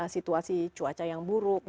situasi cuaca yang buruk